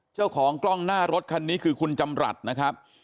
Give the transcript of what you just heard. เจ้าของกล้องหน้ารถคันนี้คือคุณจำรัฐนะครับ